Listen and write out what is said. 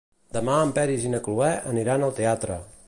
Demà en Peris i na Cloè aniran al teatre.